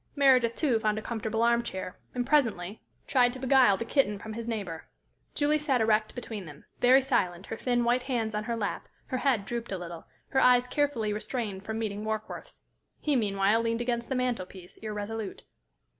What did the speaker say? Meredith, too, found a comfortable arm chair, and presently tried to beguile the kitten from his neighbor. Julie sat erect between them, very silent, her thin, white hands on her lap, her head drooped a little, her eyes carefully restrained from meeting Warkworth's. He meanwhile leaned against the mantel piece, irresolute.